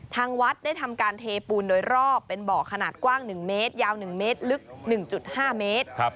ทางวัดได้ทำการเทปูนโดยรอบเป็นบ่อขนาดกว้าง๑เมตรยาว๑เมตรลึก๑๕เมตร